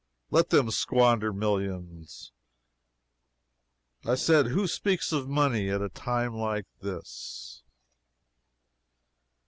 Let them squander millions! I said who speaks of money at a time like this?